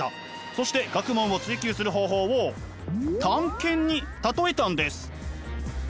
そして学問を追究する方法を探検に例えたんです。